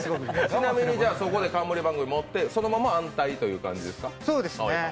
ちなみにそこで冠番組持ってそこで安泰って感じですか？